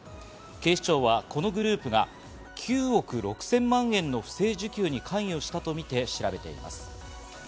警視庁はこのグループが９億６０００万円の不正受給に関与したとみて調べています。